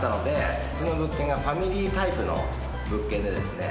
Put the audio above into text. うちの物件がファミリータイプの物件でですね